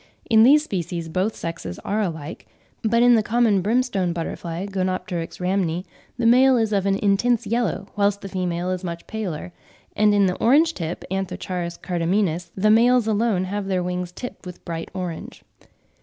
In these species both sexes are alike; but in the common brimstone butterfly (Gonepteryx rhamni), the male is of an intense yellow, whilst the female is much paler; and in the orange tip (Anthocharis cardamines) the males alone have their wings tipped with bright orange.